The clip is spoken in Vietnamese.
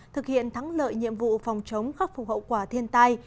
thực hiện thắng lợi nhiệm vụ phòng chống khắc phục hậu quả thiên tai